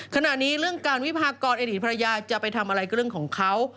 ขณะนี้เรื่องการวิพากรอดีตภรรยาจะไปทำอะไรก็เรื่องของเขา